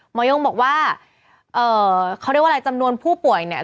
ยงบอกว่าเขาเรียกว่าอะไรจำนวนผู้ป่วยเนี่ย